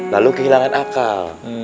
lalu kehilangan akal